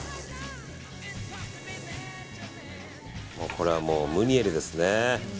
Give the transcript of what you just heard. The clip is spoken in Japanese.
これはもうムニエルですね。